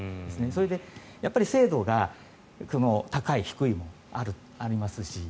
それで精度が高い、低いがありますし。